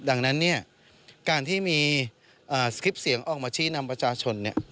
ดังนั้นเนี่ยการที่มีคลิปเสียงออกมาชี้นำประชาชน